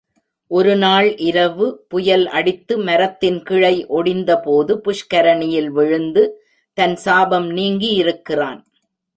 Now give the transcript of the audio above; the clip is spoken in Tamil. ஒரு நாள் இரவு புயல் அடித்து மரத்தின் கிளை ஒடிந்தபோது புஷ்கரிணியில் விழுந்து தன் சாபம் நீங்கியிருக்கிறான்.